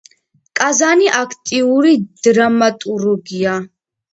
კაზანი აქტიური დრამატურგია.